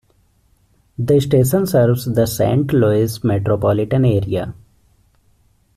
The station serves the Saint Louis metropolitan area.